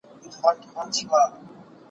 ولي هره ورځ اخته یو په غمونو